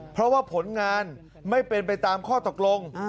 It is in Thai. เพราะว่าผลงานไม่เป็นไปตามข้อตกลง